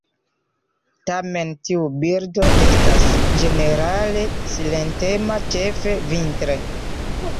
Tamen tiu birdo estas ĝenerale silentema ĉefe vintre.